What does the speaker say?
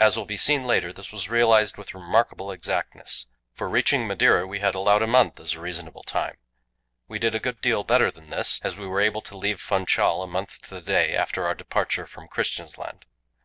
As will be seen later, this was realized with remarkable exactness. For reaching Madeira we had allowed a month as a reasonable time. We did a good deal better than this, as we were able to leave Funchal a month to the day after our departure from Christiansand.